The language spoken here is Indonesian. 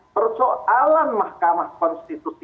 persoalan mahkamah konstitusi